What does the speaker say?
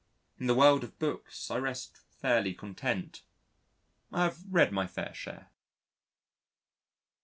In the world of books, I rest fairly content: I have read my fair share.